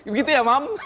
begitu ya mam